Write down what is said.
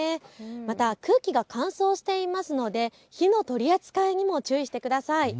また空気が乾燥していますので火の取り扱いにも注意してください。